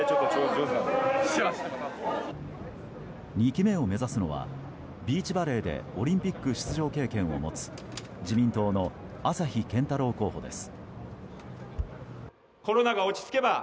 ２期目を目指すのはビーチバレーでオリンピック出場経験を持つ自民党の朝日健太郎候補です。